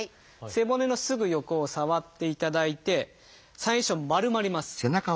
背骨のすぐ横を触っていただいて最初丸まります。